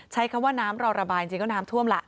ใช้คำว่าน้ำรอระบายจริงก็น้ำท่วมล่ะ